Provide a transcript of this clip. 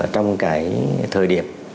trong cái thời điểm